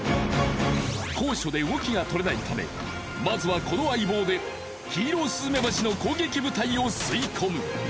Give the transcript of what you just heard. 高所で動きが取れないためまずはこの相棒でキイロスズメバチの攻撃部隊を吸い込む。